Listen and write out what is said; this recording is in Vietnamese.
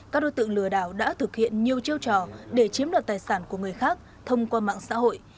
các đối tượng lừa đảo đã thực hiện nhiều chiêu trò để chiếm đoạt tài sản của người khác thông qua mạng xã hội